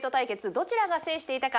どちらが制していたか。